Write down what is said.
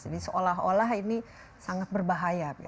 jadi seolah olah ini sangat berbahaya